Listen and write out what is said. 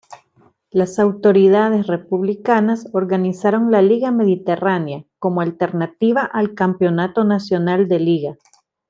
Las autoridades republicanas organizaron la Liga Mediterránea como alternativa al campeonato nacional de Liga.